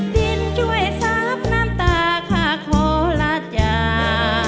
ดินช่วยสาบน้ำตาค่ะขอลาจา